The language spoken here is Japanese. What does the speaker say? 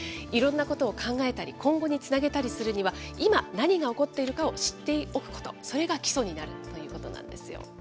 いろんなことを考えたり、今後につなげたりするには、今、何が起こっているかを知っておくこと、それが基礎になるということなんですよ。